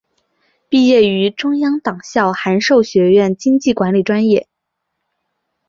毕业于中央党校函授学院经济管理专业。